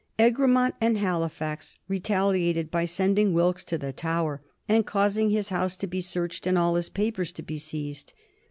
Egremont and Halifax retaliated by sending Wilkes to the Tower and causing his house to be searched and all his papers to be seized.